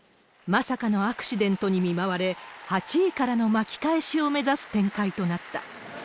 まさかのアクシデントに見舞われ、８位からの巻き返しを目指す展開となった。